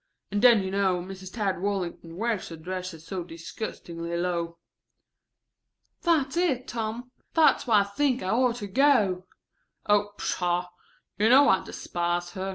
And then you know, Mrs. Tad Wallington wears her dresses so disgustingly low." "That's it, Tom. That's why I think I ought to go." "Oh, pshaw. You know I despise her.